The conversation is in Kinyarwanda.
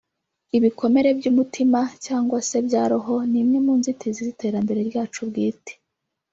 Ibikomere by’umutima cyangwa se bya roho ni imwe mu nzitizi z’iterambere ryacu bwite